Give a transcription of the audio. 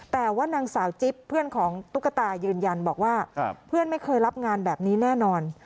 แต่ว่านางสาวจิ๊บเพื่อนของตุ๊กตายืนยันบอกว่าเพื่อนไม่เคยรับงานแบบนี้แน่นอน